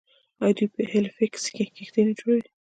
آیا دوی په هیلیفیکس کې کښتۍ نه جوړوي؟